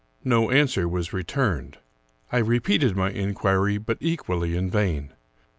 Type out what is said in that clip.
No answer was returned. I repeated my inquiry, but equally in vain.